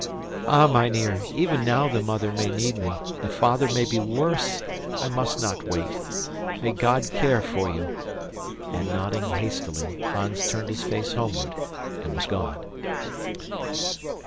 "Ah, mynheer, even now the mother may need me, the father may be worse I must not wait. May God care for you." And, nodding hastily, Hans turned his face homeward and was gone.